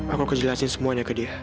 aku kejelasin semuanya ke dia